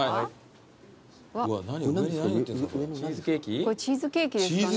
これチーズケーキですかね？